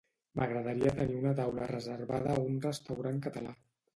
M'agradaria tenir una taula reservada a un restaurant català.